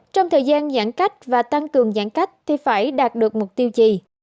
trong thời gian giãn cách và tăng cường giãn cách thì phải đạt được mục tiêu gì